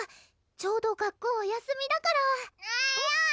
ちょうど学校お休みだからえるぅ！